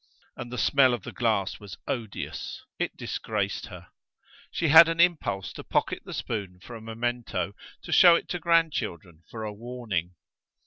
And the smell of the glass was odious; it disgraced her. She had an impulse to pocket the spoon for a memento, to show it to grandchildren for a warning.